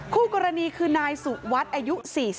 คู่กรณีคือนายสุวัสดิ์อายุ๔๒